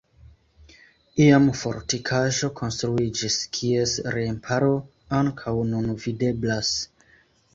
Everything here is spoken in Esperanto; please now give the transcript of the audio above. Iam fortikaĵo konstruiĝis, kies remparo ankaŭ nun videblas.